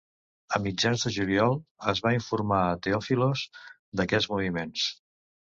A mitjans de juliol es va informar a Theophilos d'aquests moviments.